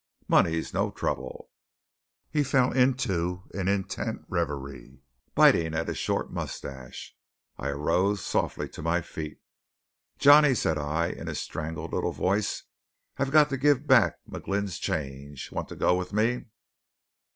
Money's no trouble!" He fell into an intent reverie, biting at his short moustache. I arose softly to my feet. "Johnny," said I, in a strangled little voice, "I've got to give back McGlynn's change. Want to go with me?"